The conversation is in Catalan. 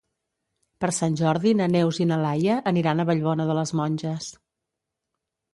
Per Sant Jordi na Neus i na Laia aniran a Vallbona de les Monges.